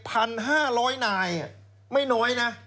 ตำรวจเยอรมัน๑๕๐๐นายไม่น้อยนะ